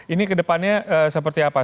ini kedepannya seperti apa